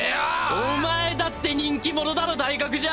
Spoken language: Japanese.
お前だって人気者だろ大学じゃ。